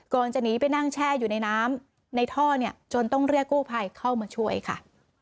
จะหนีไปนั่งแช่อยู่ในน้ำในท่อเนี่ยจนต้องเรียกกู้ภัยเข้ามาช่วยค่ะ